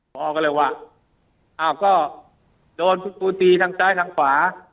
พอออกกันเลยว่าโดนคุณครูตีทั้งซ้ายทั้งขวา